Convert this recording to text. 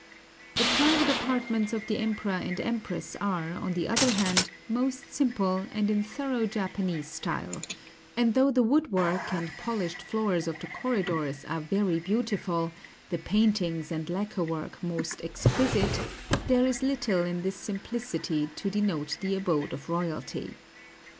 The private apartments of the Emperor and Empress are, on the other hand, most simple, and in thorough Japanese style; and though the woodwork and polished floors of the corridors are very beautiful, the paintings and lacquer work most exquisite, there is little in this simplicity to denote the abode of royalty.